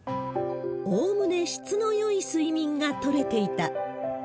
おおむね質のよい睡眠がとれていた。